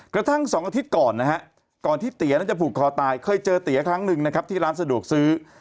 กระทั่ง๒อาทิตย์ก่อนนะฮะก่อนที่เตี๋ยนั้นจะผูกคอตายเคยเจอเตี๋ยครั้งหนึ่งนะครับที่ร้านสะดวกซื้อ